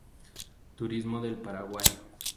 Turismo del Paraguay